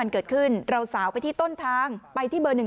สองสามีภรรยาคู่นี้มีอาชีพ